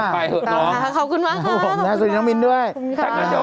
พร้อมสิวันนี้ชุดพร้อมเดี๋ยว